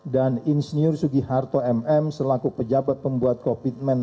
dan insinyur sugiharto mm selaku pejabat pembuat kopitmen